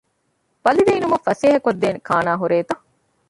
ބަލިވެއިނުމަށް ފަސޭހަކޮށްދޭ ކާނާ ހުރޭތަ؟